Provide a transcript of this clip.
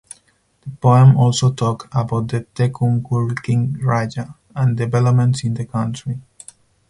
The poem also talk about the Thekkumkur king Raja and developments in the country.